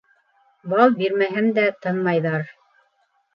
Бал бирһәм дә тынмайҙыр...